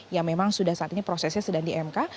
yang memang sudah saat ini prosesnya sedang di mk